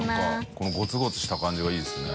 このゴツゴツした感じがいいですね。